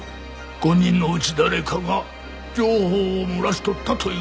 ５人のうち誰かが情報を漏らしとったという事ですか？